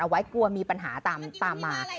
ไว้กลัวมีปัญหาตามมา